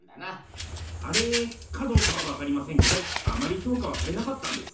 「アレー」かどうかはわかりませんけどあまりひょうかはされなかったんです。